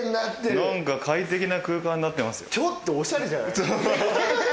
なんか快適な空間になってまちょっとおしゃれじゃない？